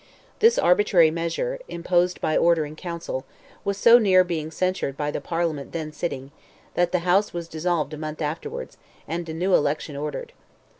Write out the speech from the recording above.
This arbitrary measure—imposed by order in Council—was so near being censured by the Parliament then sitting, that the House was dissolved a month afterwards, and a new election ordered.